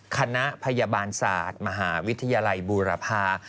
คณะพยาบาลศาสตร์มหาวิทยาลัยบูรพา